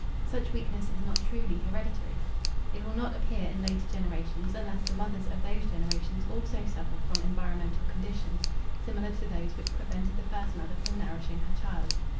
Such weakness is not truly hereditary. It will not appear in later generations unless the mothers of those generations also suffer from environmental conditions similar to those which prevented the first mother from nourishing her child.